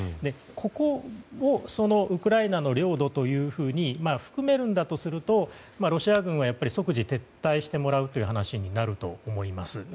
ここもウクライナの領土というふうに含めるんだとするとロシア軍は即時撤退してもらうという話になると思います。